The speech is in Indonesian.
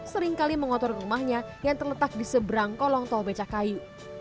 seringkali mengotor ke rumahnya yang terletak di seberang kolong tol beca kayu